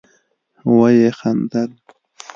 ويې خندل.